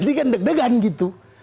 jadi kan deg degan gitu